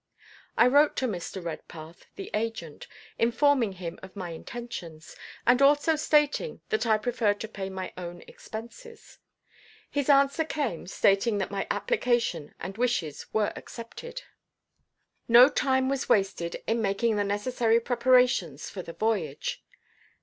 I wrote to Mr. Redpath, the agent, informing him of my intentions, and also stating that I preferred to pay my own expenses. His answer came stating that my application and wishes were accepted. No time was wasted in making the necessary preparations for the voyage.